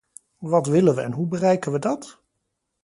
Wat willen we, en hoe bereiken we dat?